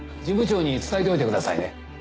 事務長に伝えておいてくださいね。